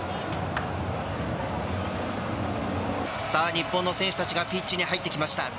日本の選手たちがピッチに入ってきました。